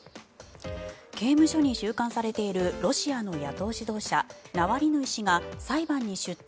刑務所に収監されているロシアの野党指導者ナワリヌイ氏が裁判に出廷。